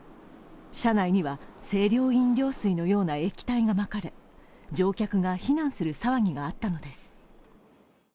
車内には清涼飲料水のような液体がまかれ乗客が避難する騒ぎがあったのです。